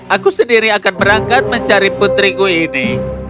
aku sendiri akan berangkat mencari putriku ini